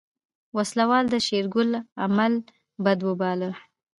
وسله وال د شېرګل عمل بد وباله.